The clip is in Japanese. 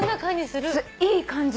いい感じ。